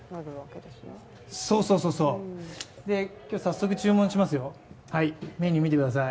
早速注文しますよ、メニュー、見てください。